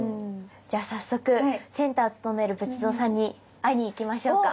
じゃあ早速センターをつとめる仏像さんに会いに行きましょうか。